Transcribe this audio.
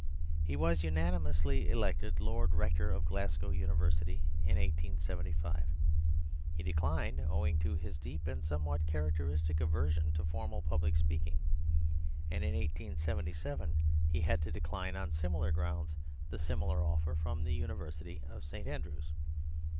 He was unanimously elected Lord Rector of Glasgow University in 1875. He declined, owing to his deep and somewhat characteristic aversion to formal public speaking, and in 1877 he had to decline on similar grounds the similar offer from the University of St. Andrews.